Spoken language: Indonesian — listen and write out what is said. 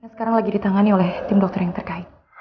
sekarang lagi ditangani oleh tim dokter yang terkait